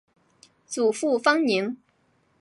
祖父方宁。